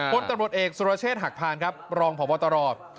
คนตำรวจเอกสุรเชษฐ์หักพานครับรองพบตร